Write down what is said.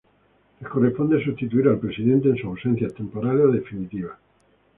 Les corresponde sustituir al Presidente en sus ausencias temporales o definitivas.